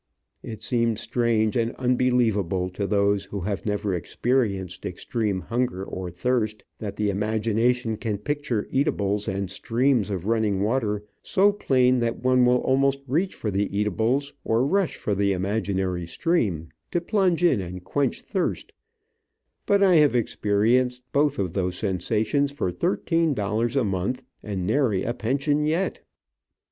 It seems strange, and unbelievable to those who have never experienced extreme hunger or thirst, that the imagination can picture eatables and streams of running water, so plain that one will almost reach for the eatables, or rush for the imaginary stream, to plunge in and quench thirst, but I have experienced both of those sensations for thirteen dollars a month, and nary a pension yet.